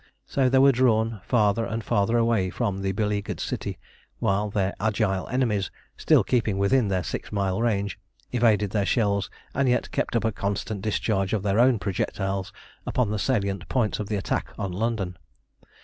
So they were drawn farther and farther away from the beleaguered city, while their agile enemies, still keeping within their six mile range, evaded their shells, and yet kept up a constant discharge of their own projectiles upon the salient points of the attack on London.